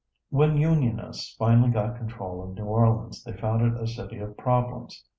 When Unionists finally got control of New Orleans they found it a city of problems.